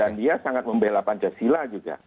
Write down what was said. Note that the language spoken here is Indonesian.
dan dia sangat membela pancasila juga